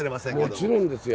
もちろんですよ。